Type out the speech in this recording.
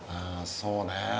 そうね